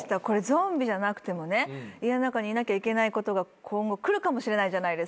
ゾンビじゃなくてもね家の中にいなきゃいけないことが今後くるかもしれないじゃないですか。